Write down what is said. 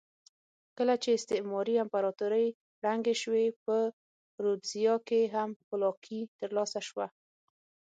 کله چې استعماري امپراتورۍ ړنګې شوې په رودزیا کې هم خپلواکي ترلاسه شوه.